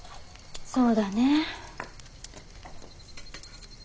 そうだね。